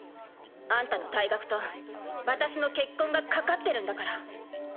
あんたの退学と私の結婚が懸かってるんだから。